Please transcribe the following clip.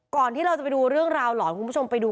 ก่อนที่เราจะไปดูเรื่องราวหลอน